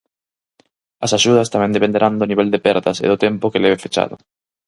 As axudas tamén dependerán do nivel de perdas e do tempo que leve fechado.